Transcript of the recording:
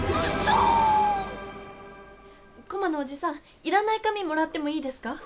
コマのおじさんいらない紙もらってもいいですか？